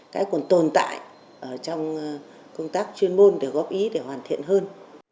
cái còn tồn tại trong công tác chuyên môn để góp ý để hoàn thiện hơn